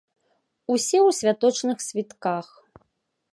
Усе ў святочных світках.